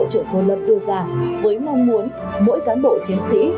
bộ trưởng tôn lâm đưa ra với mong muốn mỗi cán bộ chiến sĩ